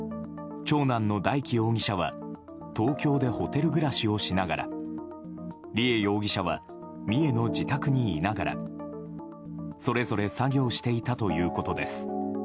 長男の大祈容疑者は東京でホテル暮らしをしながら梨恵容疑者は三重の自宅にいながらそれぞれ作業していたということです。